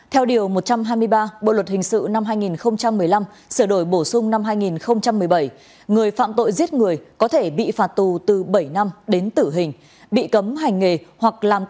theo điều một trăm hai mươi ba bộ luật hình sự năm hai nghìn một mươi năm sửa đổi bổ sung năm hai nghìn một mươi bảy người phạm tội giết người có thể bị phạt tù từ bảy năm đến tử hình